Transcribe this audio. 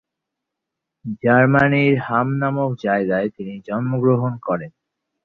জার্মানীর হাম নামক জায়গায় তিনি জন্মগ্রহণ করেন।